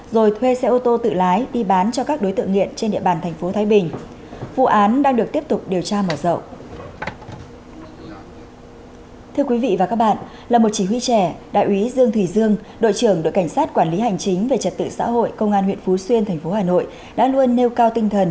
rồi thuê xe ô tô tự lái đi bán cho các đối tượng nghiện trên địa bàn tp thái bình